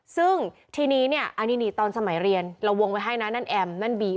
ซึ่งทีนี้เนี่ยอันนี้นี่ตอนสมัยเรียนเราวงไว้ให้นะนั่นแอมนั่นบี